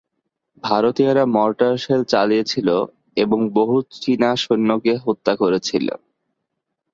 ভারতীয়রা mortar shell চালিয়েছিল এবং বহু চীনা সৈন্যকে হত্যা করেছিল।